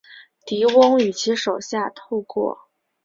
狄翁与其手下透过用来走私私酒的地下隧道伏击马索的人马。